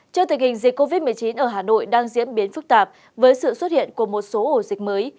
trước tình hình dịch covid một mươi chín ở hà nội đang diễn biến phức tạp với sự xuất hiện của một số ổ dịch mới